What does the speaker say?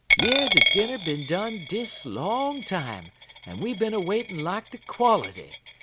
'Yer de dinner bin done dis long time, en we bin a waitin' lak de quality.